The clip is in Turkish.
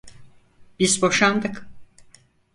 Biz boşandık.